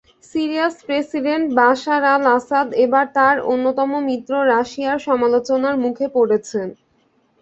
সিরিয়ার president Bashar al Assad এবার তাঁর অন্যতম মিত্র রাশিয়ার সমালোচনার মুখে পড়েছেন।